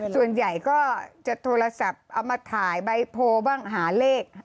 ส่วนใหญ่ก็จะโทรศัพท์เอามาถ่ายใบโพลบ้างหาเลข